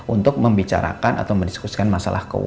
untuk membicarakan atau mendiskusikan masalah keuangan